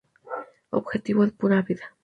Objetivo Pura Vida.